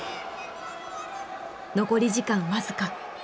残り時間僅か。